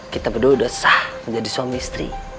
kita berdua sudah sah menjadi suami istri